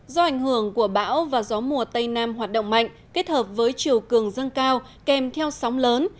do ảnh hưởng của bão và gió mùa tây nam hoạt động mạnh kết hợp với chiều cường dâng cao kèm theo sóng lớn